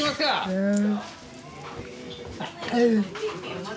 はい。